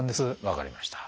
分かりました。